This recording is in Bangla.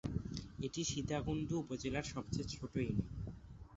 এটি সীতাকুণ্ড উপজেলার সবচেয়ে ছোট ইউনিয়ন।